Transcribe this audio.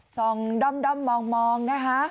ส่องด้อมมองนะคะ